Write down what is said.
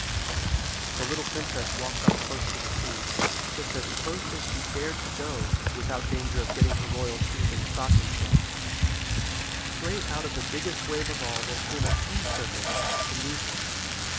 The little princess walked up close to the sea, just as close as she dared to go without danger of getting her royal shoes and stockings wet. Straight out of the biggest wave of all there came a sea serpent to meet her.